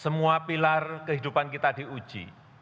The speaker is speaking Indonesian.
semua pilar kehidupan kita diuji